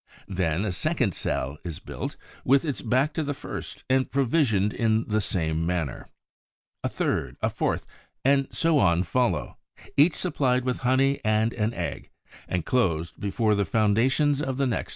Then a second cell is built, with its back to the first and provisioned in the same manner. A third, a fourth, and so on follow, each supplied with honey and an egg and closed before the foundations of the next are laid.